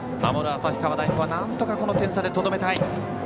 旭川大高はなんとかこの点差でとどめたい。